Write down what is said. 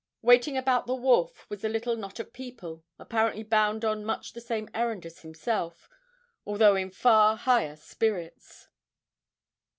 Waiting about the wharf was a little knot of people, apparently bound on much the same errand as himself although in far higher spirits.